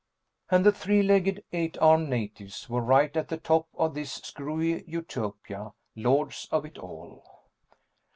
And the three legged, eight armed natives were right at the top of this screwy utopia, lords of it all.